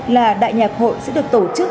là đại nhạc hội sẽ được tổ chức